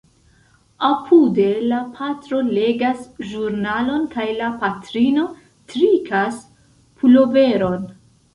Apude, la patro legas ĵurnalon kaj la patrino trikas puloveron...